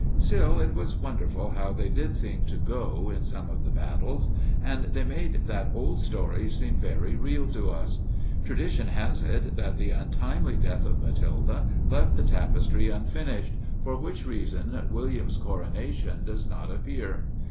Still, it was wonderful how they did seem to "go" in some of the battles, and they made that old story seem very real to us. Tradition has it that the untimely death of Matilda left the tapestry unfinished, for which reason William's coronation does not appear.